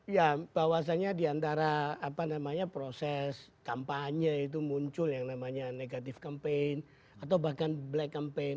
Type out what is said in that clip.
ya bahwasannya diantara proses kampanye itu muncul yang namanya negatif campaign atau bahkan black campaign